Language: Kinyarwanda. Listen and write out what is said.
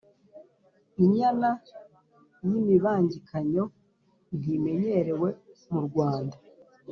Injyana y’imibangikanyo ntimenyerewe mu Rwanda